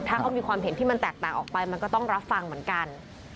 ถ้าเขามีความเห็นที่มันแตกต่างออกไปมันก็ต้องรับฟังเหมือนกัน